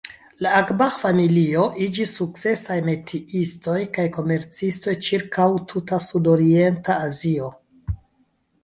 La Abgar-familio iĝis sukcesaj metiistoj kaj komercistoj ĉirkaŭ tuta sudorienta Azio.